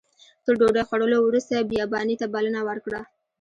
تر ډوډۍ خوړلو وروسته بیاباني ته بلنه ورکړه.